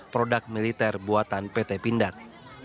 produk militer buatan pt pindad